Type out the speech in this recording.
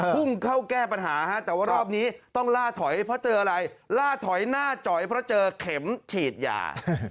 พุ่งเข้าแก้ปัญหาแต่ว่ารอบนี้ต้องล่าถอยเพราะเจออะไรล่าถอยหน้าจอยเพราะเจอเข็มฉีดยา